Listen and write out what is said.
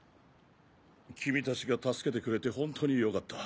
君たちが助けてくれて本当によかった。